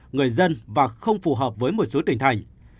người dân và không phù hợp với một số tỉnh thành